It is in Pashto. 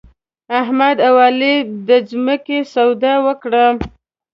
احمد او علي د ځمکې سودا وکړه.